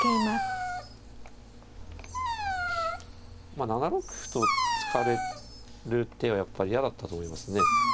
まあ７六歩と突かれる手はやっぱ嫌だったと思いますね。